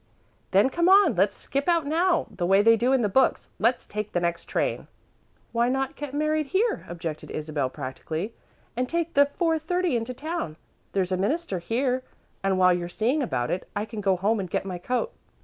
"Then come on. Let's skip out now, the way they do in the books. Let's take the next train." "Why not get married here?" objected Isabel, practically, "and take the four thirty into town? There's a minister here, and while you're seeing about it, I can go home and get my coat."